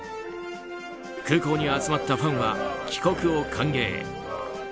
空港に集まったファンは帰国を歓迎。